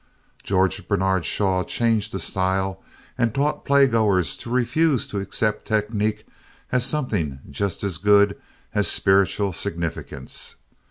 George Bernard Shaw changed the style, and taught playgoers to refuse to accept technic as something just as good as spiritual significance.